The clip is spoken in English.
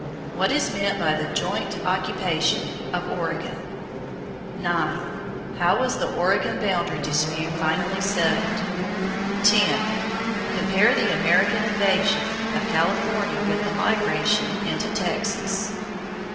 What is meant by the "joint occupation" of Oregon? 9. How was the Oregon boundary dispute finally settled? 10. Compare the American "invasion" of California with the migration into Texas.